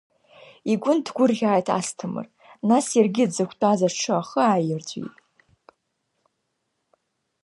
Игәы нҭгәырӷьааит Асҭамыр, нас иаргьы дзықә тәаз аҽы ахы ааирҵәиит…